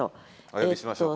お呼びしましょうか。